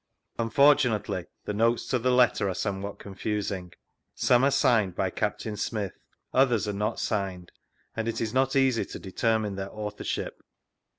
Unfortunately, the Notes to the letter are somewhat confusing: some are signed by Captain Smyth, others are not signed, and it is not easy to determine their authorship.